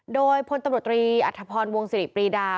โดยพลตำรวจตรีอัธพรวงศิริปรีดา